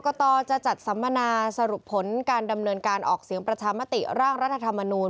ตจะจัดสัมมนาสรุปผลการดำเนินการออกเสียงประชามติร่างรัฐธรรมนูล